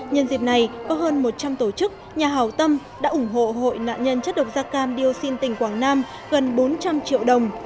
nhân dịp này có hơn một trăm linh tổ chức nhà hào tâm đã ủng hộ hội nạn nhân chất độc da cam dioxin tỉnh quảng nam gần bốn trăm linh triệu đồng